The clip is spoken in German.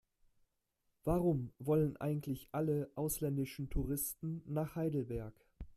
Warum wollen eigentlich alle ausländischen Touristen nach Heidelberg?